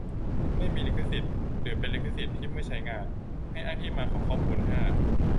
ไม่มีลิขสิทธ์ หรือ เป็นลิขสิทธิ์ที่เมื่อใช้งาน ให้อ้างที่มาของข้อมูล ห้า